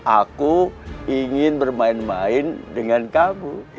aku ingin bermain main dengan kamu